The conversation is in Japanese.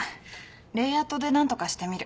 レイアウトで何とかしてみる。